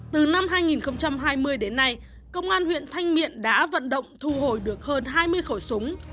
từ năm hai nghìn hai mươi đến nay công an huyện thanh miện đã vận động thu hồi được hơn hai mươi khẩu súng